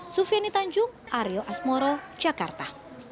sufiani tanjung aryo asmoro jakarta